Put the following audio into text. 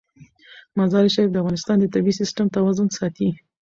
مزارشریف د افغانستان د طبعي سیسټم توازن ساتي.